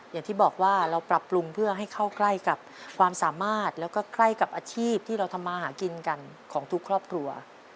อย่างที่บอกว่าเราปรับปรุงเพื่อให้เข้าใกล้กับความสามารถแล้วก็ใกล้กับอาชีพที่เราทำมาหากินกันของทุกครอบครัว